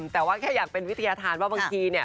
แต่ว่าแค่อยากเป็นวิทยาธารว่าบางทีเนี่ย